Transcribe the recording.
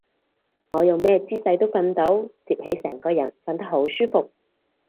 我用咩姿勢都瞓到，摺起成個人瞓得好舒服